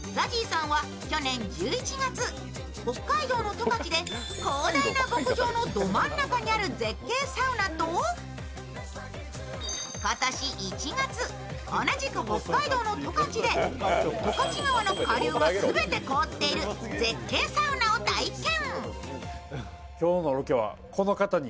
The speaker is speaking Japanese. ＺＡＺＹさんは去年１１月、北海道の十勝で広大な牧場のど真ん中にある絶景サウナと今年１月、同じく北海道の十勝で十勝川の下流が全て凍っている絶景サウナを体験。